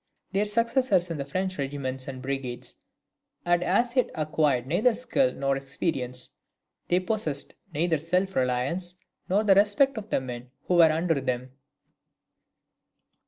Their successors in the French regiments and brigades had as yet acquired neither skill nor experience: they possessed neither self reliance nor the respect of the men who were under them.